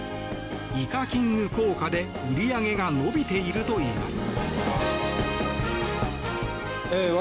イカキング効果で、売り上げが伸びているといいます。